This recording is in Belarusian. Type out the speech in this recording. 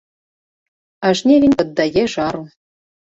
А жнівень паддае жару.